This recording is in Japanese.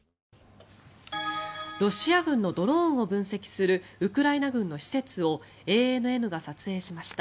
ロシア軍のドローンを分析するウクライナ軍の施設をＡＮＮが撮影しました。